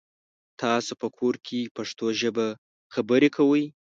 تاسو په کور کې پښتو ژبه خبري کوی؟